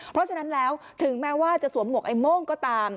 เพราะฉะนั้นแล้วถึงแม้ว่าจะสวมหวกไอ้โม่งก็ตาม